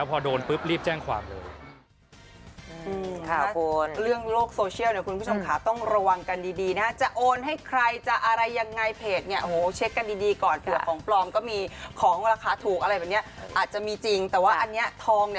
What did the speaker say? พอโดนปุ๊บรีบแจ้งความเลย